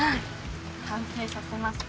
完成させますね。